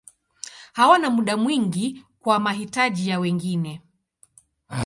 Hawana muda mwingi kwa mahitaji ya wengine.